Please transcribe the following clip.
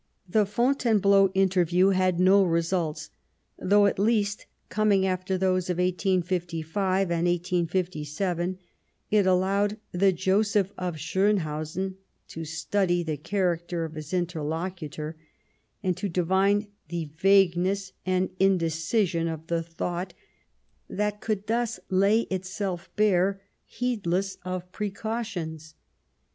The Fontainebleau interview had no results ; though at least, coming after those of 1855 and 1857, it allowed the Joseph of Schonhausen to study the character of his interlocutor, and to divine the vagueness and indecision of the thought that could thus lay itself bare, heedless of precautions.